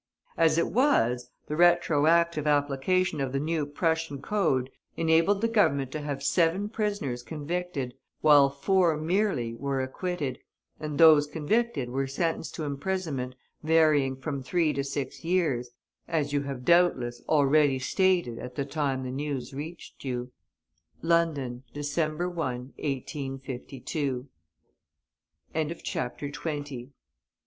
As it was, the retroactive application of the new Prussian code enabled the Government to have seven prisoners convicted, while four merely were acquitted, and those convicted were sentenced to imprisonment varying from three to six years, as you have, doubtless, already stated at the time the news reached you. LONDON, December 1, 1852. FOOTNOTES: "The Manifesto."